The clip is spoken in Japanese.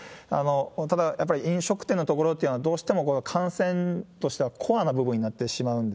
ただやっぱり飲食店の所というのはどうしても感染としてはコアな部分になってしまうんです。